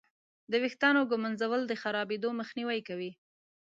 د ویښتانو ږمنځول د خرابېدو مخنیوی کوي.